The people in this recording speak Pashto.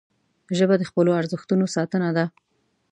ژبه د خپلو ارزښتونو ساتنه ده